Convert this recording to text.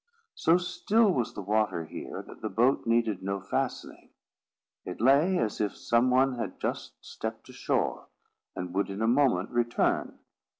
So still was the water here, that the boat needed no fastening. It lay as if some one had just stepped ashore, and would in a moment return.